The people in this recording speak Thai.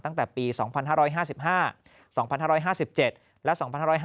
ตั้งแต่ปี๒๕๕๒๕๕๗และ๒๕๕๙